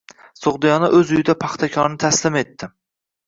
“So‘g‘diyona” o‘z uyida “Paxtakor”ni taslim etdi